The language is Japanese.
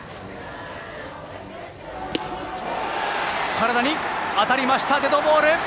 体に当たりましたデッドボール。